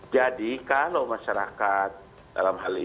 jadi kalau masyarakat dalam hal ini